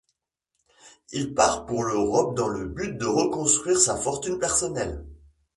Il part pour l’Europe dans le but de reconstruire sa fortune personnelle.